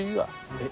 えっ？